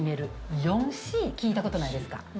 聞いたことないですか？